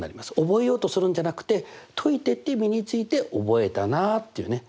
覚えようとするんじゃなくて解いてって身について覚えたなっていうね